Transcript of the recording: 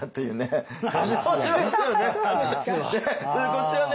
こっちはね